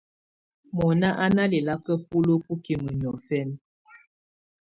Mɔnà à na lɛ̀laka buluǝ́ bukimǝ niɔ̀fɛna.